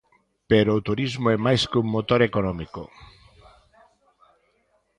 Pero o turismo é máis que un motor económico.